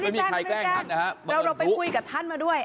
เราไปคุยกับท่านมาด้วย